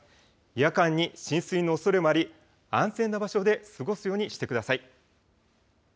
夜間に浸水のおそれもあり安全な場所で過ごすようにしてください。